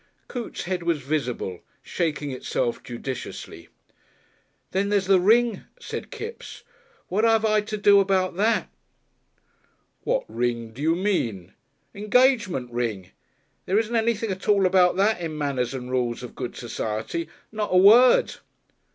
Coote's head was visible, shaking itself judiciously. "Then there's the ring," said Kipps. "What 'ave I to do about that?" "What ring do you mean?" "'Ngagement Ring. There isn't anything at all about that in 'Manners and Rules of Good Society' not a word."